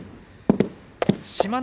志摩ノ